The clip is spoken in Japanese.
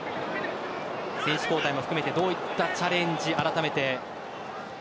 選手交代も含めてどういったチャレンジ